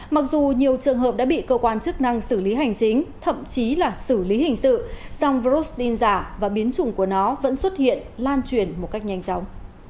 mặc dù nhiều trường hợp đã bị cơ quan chức năng xử lý hành chính thậm chí là xử lý hình sự song tin giả và biến chủng của nó vẫn xuất hiện lan truyền một cách nhanh chóng